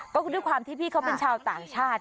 ก็คือด้วยความที่พี่เขาเป็นชาวต่างชาติ